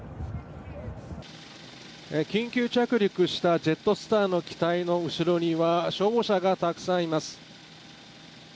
緊急着陸したジェットスターの機体の後ろには消防車がたくさんいます。